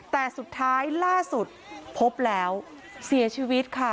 แต่สุดท้ายล่าสุดพบแล้วเสียชีวิตค่ะ